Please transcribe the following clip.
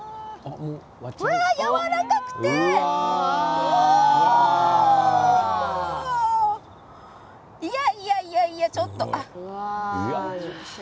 やわらかくていやいや、ちょっと！